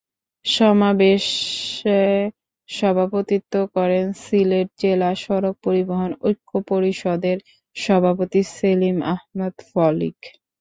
সমাবেশে সভাপতিত্ব করেন সিলেট জেলা সড়ক পরিবহন ঐক্য পরিষদের সভাপতি সেলিম আহমদ ফলিক।